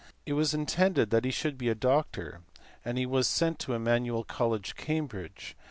It was intended that he should be a doctor, and he was sent to Emmanuel College, Cambridge.